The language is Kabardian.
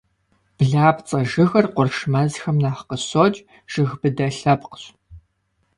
Блапцӏэ жыгыр къурш мэзхэм нэхъ къыщокӏ, жыг быдэ лъэпкъщ.